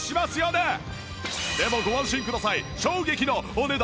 でもご安心ください